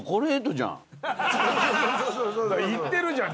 言ってるじゃん。